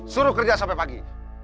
suruh kerja sampai pagi